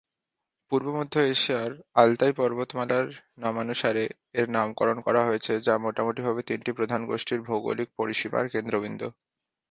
পূর্ব-মধ্য এশিয়ার আলতাই পর্বতমালার নামানুসারে এর নামকরণ করা হয়েছে যা মোটামুটিভাবে তিনটি প্রধান গোষ্ঠীর ভৌগোলিক পরিসীমার কেন্দ্রবিন্দু।